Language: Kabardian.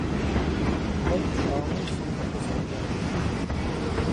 Куэд щӏауэ сигу пызгъэкӏащ.